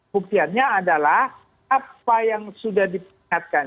buktiannya adalah apa yang sudah diingatkan